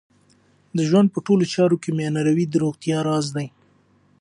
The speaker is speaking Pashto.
د ژوند په ټولو چارو کې میانه روی د روغتیا راز دی.